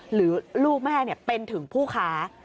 หรือลูกแม่เป็นถึงผู้ค้า